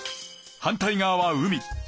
反対側は海。